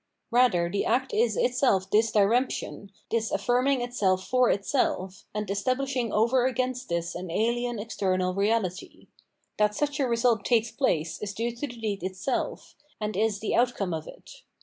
Father the act is itself this diremption, this affirming itself for itseK, and estabhshing over against this an alien external reahty. That such a result takes place is due to the deed itself, and is the outcome of it.